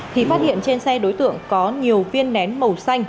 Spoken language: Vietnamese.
thì phát hiện trên xe đối tượng có nhiều viên nén màu xanh